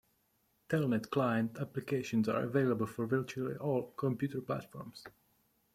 Telnet client applications are available for virtually all computer platforms.